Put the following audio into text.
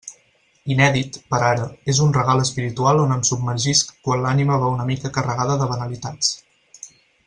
Inèdit, per ara, és un regal espiritual on em submergisc quan l'ànima va una mica carregada de banalitats.